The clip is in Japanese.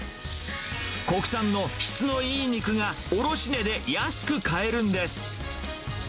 国産の質のいい肉が、卸値で安く買えるんです。